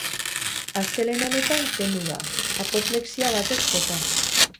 Astelehen honetan zendu da, apoplexia batek jota.